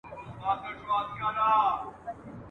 تاته نه ښايي دا کار د ساده ګانو ,